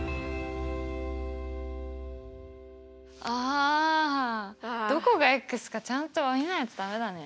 あどこがかちゃんと見ないと駄目だね。